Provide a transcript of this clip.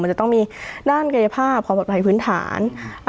มันจะต้องมีด้านกายภาพความปลอดภัยพื้นฐาน